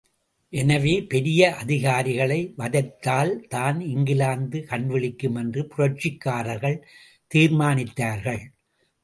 எனவே பெரிய அதிகாரிகளை வதைத்தால் தான் இங்கிலாந்து கண்விழிக்கும் என்று புரட்சிக்காரர்கள் தீர்மானித்தார்கள்.